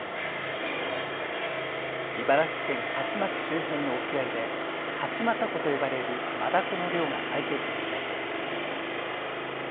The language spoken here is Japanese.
茨城県鹿嶋市周辺の沖合で鹿島たこと呼ばれるマダコの漁が最盛期を迎えています。